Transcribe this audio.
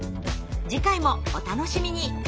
次回もお楽しみに。